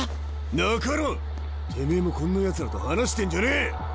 中野てめえもこんなやつらと話してんじゃねえ！